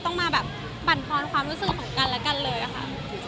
ต้องมาแบบบรรทอนความรู้สึกของกันและกันเลยค่ะ